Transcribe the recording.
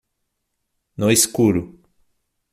No escuro